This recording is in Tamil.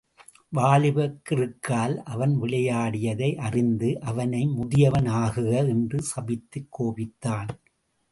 வாலிபக் கிறுக்கால் அவன் விளையாடியதை அறிந்து அவனை முதியவன் ஆகுக என்று சபித்துக் கோபித்தான்.